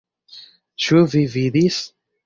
Ĉu vi vidis?